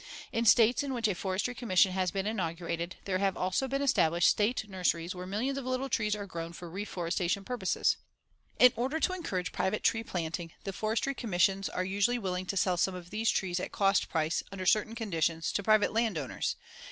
In States in which a Forestry Commission has been inaugurated, there have also been established State nurseries where millions of little trees are grown for reforestation purposes. In order to encourage private tree planting, the Forestry Commissions are usually willing to sell some of these trees at cost price, under certain conditions, to private land owners.